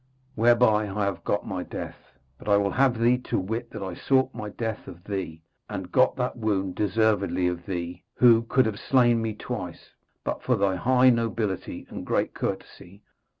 Whereby I have got my death. But I will have thee to wit that I sought my death of thee, and got that wound deservedly of thee, who could have slain me twice, but for thy high nobility and great courtesy.